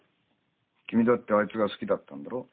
君だってあいつが好きだったんだろう？